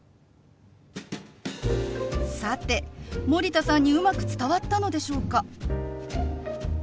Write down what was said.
さて森田さんにうまく伝わったのでしょうか？